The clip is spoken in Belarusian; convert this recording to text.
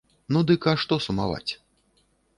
Ну дык а што сумаваць?